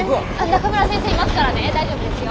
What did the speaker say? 中村先生いますからね大丈夫ですよ。